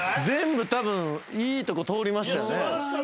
全部たぶんいいとこ通りましたよね。